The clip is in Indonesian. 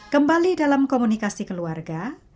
kembali dalam komunikasi keluarga